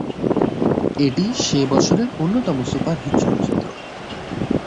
এটি সে বছরের অন্যতম সুপারহিট চলচ্চিত্র।